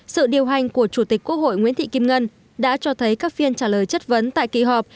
sự điều hành của chủ tịch quốc hội nguyễn thị kim ngân đã cho thấy các phiên trả lời chất vấn tại kỳ họp